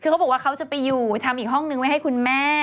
คือเขาบอกว่าเขาจะไปอยู่ทำอีกห้องนึงไว้ให้คุณแม่